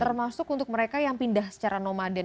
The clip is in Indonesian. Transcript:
termasuk untuk mereka yang pindah secara nomaden